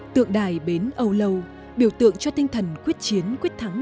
tượng đài bến âu lâu biểu tượng cho tinh thần quyết chiến quyết thắng